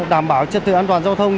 đảm bảo trật tự an toàn giao thông